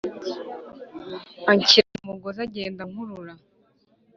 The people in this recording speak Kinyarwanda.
anshyira mu mugozi agenda ankurura.